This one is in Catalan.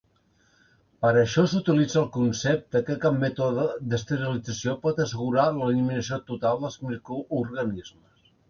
Per això s'utilitza el concepte que cap mètode d'esterilització pot assegurar l'eliminació total dels microorganismes.